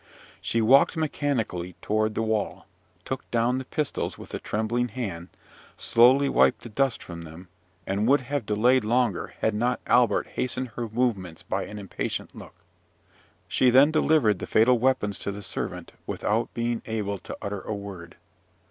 She walked mechanically toward the wall, took down the pistols with a trembling hand, slowly wiped the dust from them, and would have delayed longer, had not Albert hastened her movements by an impatient look. She then delivered the fatal weapons to the servant, without being able to utter a word.